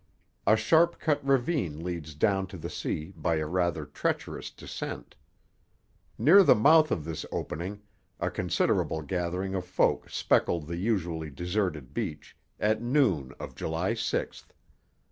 A sharp cut ravine leads down to the sea by a rather treacherous descent. Near the mouth of this opening, a considerable gathering of folk speckled the usually deserted beach, at noon of July sixth.